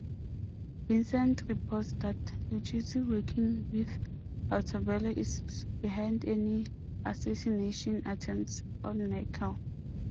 Vincent reports that Lucchesi, working with Altobello, is behind the assassination attempts on Michael.